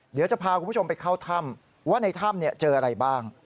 เดี๋ยวจะพาคุณผู้ชมไปเข้าถ้ำว่าในถ้ำเจออะไรบ้าง